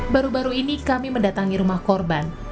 baru baru ini kami mendatangi rumah korban